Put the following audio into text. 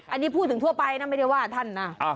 อันนี้พูดถึงทั่วไปนะไม่ได้ว่าท่านนะ